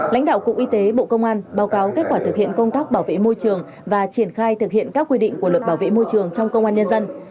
lãnh đạo cục y tế bộ công an báo cáo kết quả thực hiện công tác bảo vệ môi trường và triển khai thực hiện các quy định của luật bảo vệ môi trường trong công an nhân dân